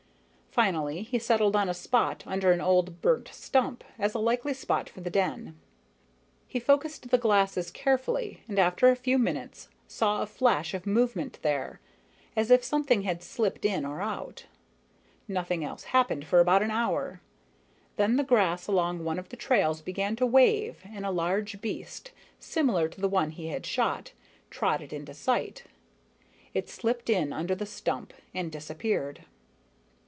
Finally, he settled on a spot under an old burnt stump as a likely spot for the den. He focused the glasses carefully and after a few minutes saw a flash of movement there, as if something had slipped in or out. Nothing else happened for about an hour. Then the grass along one of the trails began to wave and a large beast, similar to the one he had shot, trotted into sight. It slipped in under the stump and disappeared.